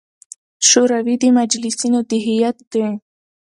شوري د مجلسـینو د هیئـت د